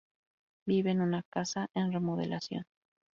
Vive en una casa en remodelación.